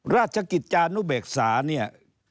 ราชกิจจานุเบกษาเนี่ย